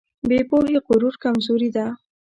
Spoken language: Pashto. بې پوهې غرور کمزوري ده.